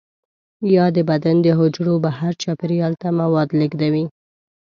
یا د بدن د حجرو بهر چاپیریال ته مواد لیږدوي.